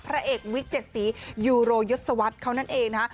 พระเอกวิกเจ็ดสียูโรยศวรรษเขานั่นเองนะฮะ